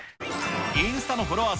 インスタのフォロワー数